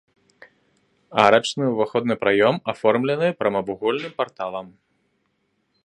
Арачны ўваходны праём аформлены прамавугольным парталам.